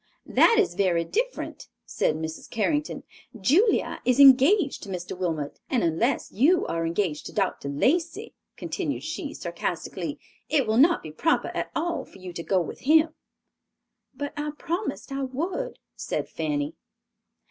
"That is very different," said Mrs. Carrington; "Julia is engaged to Mr. Wilmot, and unless you are engaged to Dr. Lacey," continued she, sarcastically, "it will not be proper at all for you to go with him." "But I promised I would," said Fanny.